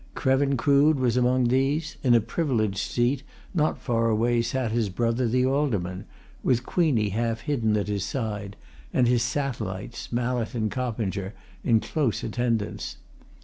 Krevin Crood was among these; in a privileged seat, not far away, sat his brother, the Alderman, with Queenie half hidden at his side, and his satellites, Mallett and Coppinger, in close attendance.